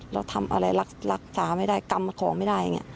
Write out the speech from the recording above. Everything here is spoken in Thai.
แล้วทำอะไรรักษาไม่ได้กำของไม่ได้